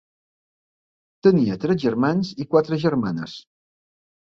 Tenia tres germans i quatre germanes.